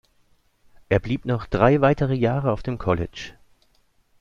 Er blieb noch drei weitere Jahre auf dem College.